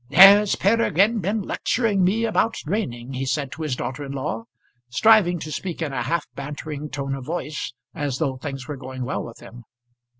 "There's Peregrine been lecturing me about draining," he said to his daughter in law, striving to speak in a half bantering tone of voice, as though things were going well with him.